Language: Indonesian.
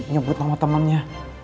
nyebut nama temannya